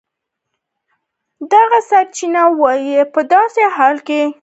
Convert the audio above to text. دغه سرچینه وایي په داسې حال کې